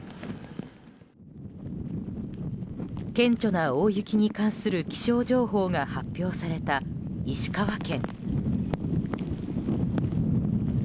顕著な大雪に関する気象情報が発表された石川県。